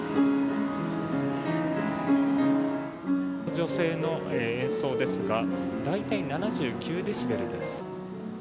女性の演奏ですが大体７９デシベルです。